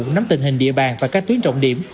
cũng nắm tình hình địa bàn và các tuyến trọng điểm